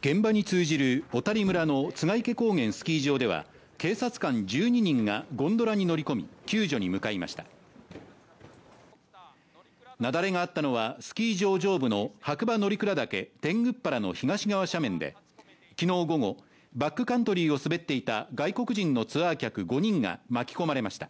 現場に通じる小谷村の栂池高原スキー場では警察官１２人がゴンドラに乗り込み救助に向かいました雪崩があったのはスキー場上部の白馬乗鞍岳天狗原の東側斜面で昨日午後バックカントリーを滑っていた外国人のツアー客５人が巻き込まれました